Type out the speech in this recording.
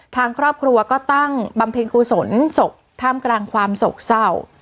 ทางครอบครัวก็ตั้งบำเพ็ญกุศลศพท่ามกลางความโศกเศร้า